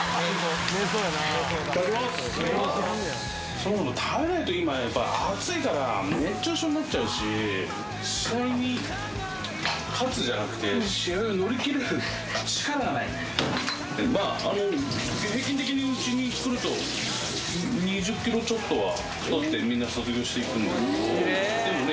そもそも食べないと今暑いから熱中症になっちゃうし試合に勝つじゃなくて試合を乗り切れる力がないまああの平均的にうちに来ると２０ｋｇちょっとは太ってみんな卒業していくんででもね